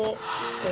え？